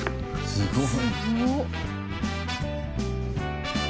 すごい！